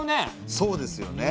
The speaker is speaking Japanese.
そうですよね。